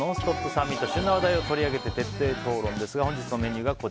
サミット旬な話題を取り上げて徹底討論です。